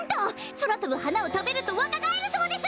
そらとぶはなをたべるとわかがえるそうです！